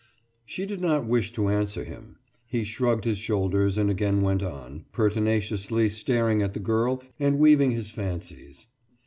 She did not wish to answer him. He shrugged his shoulders, and again went on, pertinaciously staring at the girl and weaving his fancies.